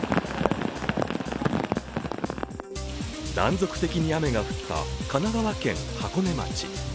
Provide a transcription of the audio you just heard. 断続的に雨が降った神奈川県箱根町。